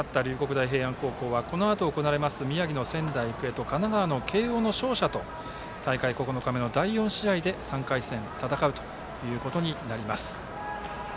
大平安高校はこのあと行われます宮城の仙台育英と神奈川の慶応の勝者と大会９日目の第４試合で３回戦を戦うことになります。